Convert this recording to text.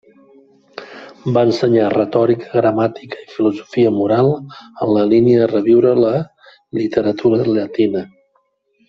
Va ensenyar retòrica, gramàtica i filosofia moral, en la línia de reviure la literatura llatina.